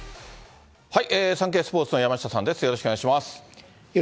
サンケイスポーツの山下さんです、よろしくお願いします。